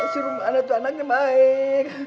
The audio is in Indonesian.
si rumah anak anaknya baik